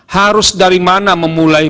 harus dari mana memulai